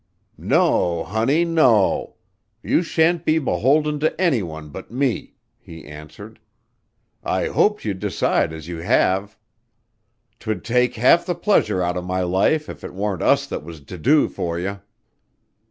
"No, honey, no! You shan't be beholden to any one but me," he answered. "I hoped you'd decide as you have. 'Twould take half the pleasure out of my life if it warn't us that was to do for you.